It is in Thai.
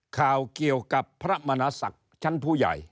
ข่าวเกี่ยวกับพระมณศักดิ์ชั้นผู้ใหญ่